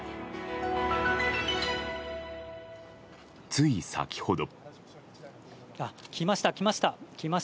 つい先ほど。